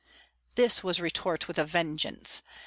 This was retort with a vengeance.